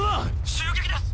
⁉襲撃です